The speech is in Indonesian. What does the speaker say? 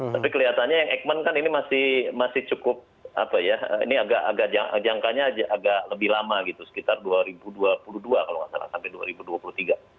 tapi kelihatannya yang eijkman kan ini masih cukup apa ya ini agak jangkanya agak lebih lama gitu sekitar dua ribu dua puluh dua kalau nggak salah sampai dua ribu dua puluh tiga